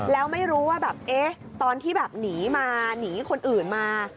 แล้วไม่รู้ว่าแบบตอนที่แบบหนีมาหนีคนอื่นมา